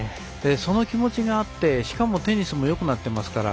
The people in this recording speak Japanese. その気持ちがあって、しかもテニスもよくなっていますから。